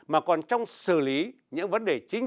mà còn trong xử lý những vấn đề chi tiết